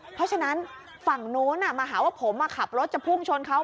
เพราะฉะนั้นฝั่งนู้นมาหาว่าผมขับรถจะพุ่งชนเขา